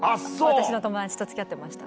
私の友達と付き合ってました。